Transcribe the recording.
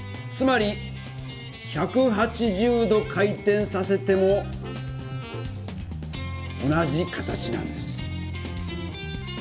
つまり１８０度回転させても同じ形なんです。